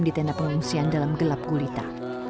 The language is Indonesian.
di tenda pengungsian dalam gelap gulita